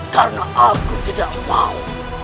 karena aku tidak mau